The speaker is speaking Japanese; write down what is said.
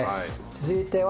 続いては。